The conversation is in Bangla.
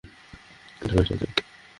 চিন্তা করিস না, জানি!